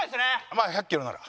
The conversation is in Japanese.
まあ１００キロなら。